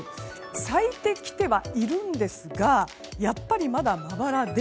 咲いてきてはいるんですがやっぱり、まだまばらで。